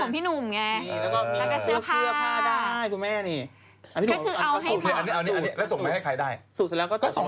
พี่หนุ่มจนเลือกสมภงของพี่หนุ่ม